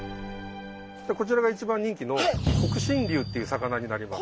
こちらが一番人気の黒心龍っていう魚になります。